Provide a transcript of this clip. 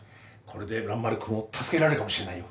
これで蘭丸君を助けられるかもしれないよ。